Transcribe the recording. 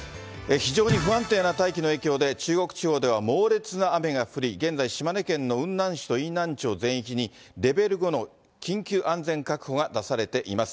非常に不安定な大気の影響で、中国地方では猛烈な雨が降り、現在、島根県の雲南市と飯南町全域に、レベル５の緊急安全確保が出されています。